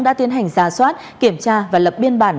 đã tiến hành giả soát kiểm tra và lập biên bản